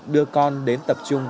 đưa con đến tập trung